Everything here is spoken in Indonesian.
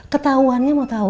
ketauannya mau tahu